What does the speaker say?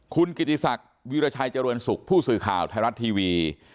คุณกิติศักดิ์วิราชัยเจริญสุขผู้สื่อข่าวไทยรัฐทีวี